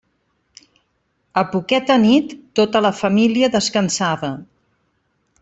A poqueta nit tota la família descansava.